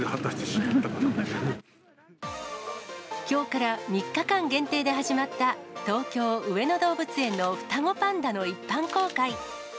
きょうから３日間限定で始まった、東京・上野動物園の双子パンダの一般公開。